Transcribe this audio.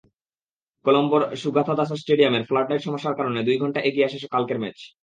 কলম্বোর সুগাথাদাসা স্টেডিয়ামের ফ্লাডলাইট সমস্যার কারণে দুই ঘণ্টা এগিয়ে আসে কালকের ম্যাচ।